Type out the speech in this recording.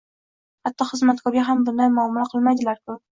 Hatto xizmatkorga ham bunday muomala qilmaydilarku.